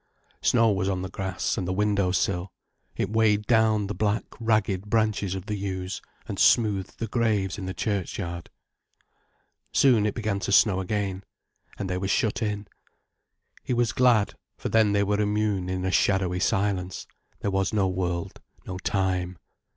Snow was on the grass and the window sill, it weighed down the black, ragged branches of the yews, and smoothed the graves in the churchyard. Soon, it began to snow again, and they were shut in. He was glad, for then they were immune in a shadowy silence, there was no world, no time.